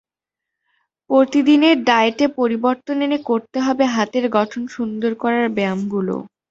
প্রতিদিনের ডায়েটে পরিবর্তন এনে করতে হবে হাতের গঠন সুন্দর করার ব্যায়ামগুলো।